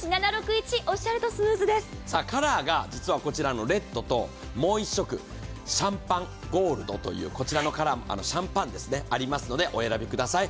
カラーが実はこちらのレッドともう一色、シャンパンゴールドというお色がありますのでお選びください。